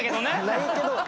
ないけど。